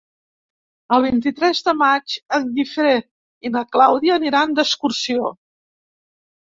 El vint-i-tres de maig en Guifré i na Clàudia aniran d'excursió.